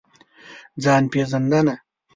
ځان پېژندنه.